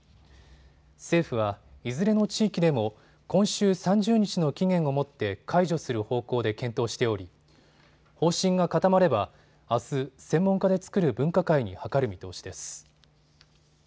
政府は、いずれの地域でも今週３０日の期限をもって解除する方向で検討しており方針が固まればあす、専門家で作る分科会に諮る見通しです。